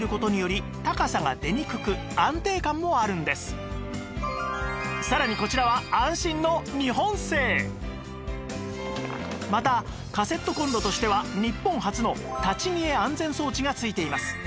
こちらも土鍋をのせてもさらにこちらはまたカセットコンロとしては日本初の立ち消え安全装置が付いています